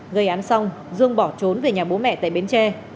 gây án xong dương bỏ trốn về nhà bố mẹ tại bến tre